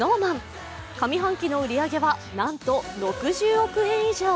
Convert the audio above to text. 上半期の売り上げはなんと６０億円以上。